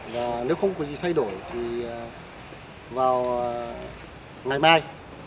và nếu không có gì thay đổi thì vào ngày mai